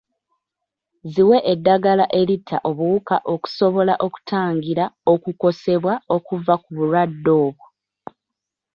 Ziwe eddagala eritta obuwuka okusobola okutangira okukosebwa okuva ku bulwadde obwo.